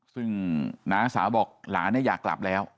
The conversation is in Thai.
ซึ่งน้าสาวบอกหลานอยากกลับแล้ว